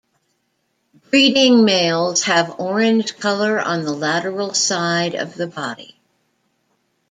Breeding males have orange color on the lateral side of the body.